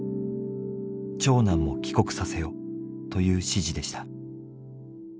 「長男も帰国させよ」という指示でした。